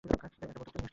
একটা বোতলই নিয়ে আসুন।